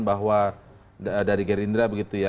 bahwa dari gerindra begitu ya